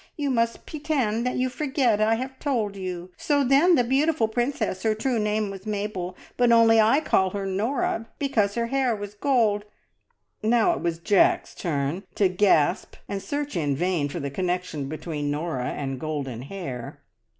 You must pitend that you forget I have told you. So then the beautiful princess her true name was Mabel, but only I call her Norah because her hair was gold " Now it was Jack's turn to gasp and search in vain for the connection between Norah and golden hair!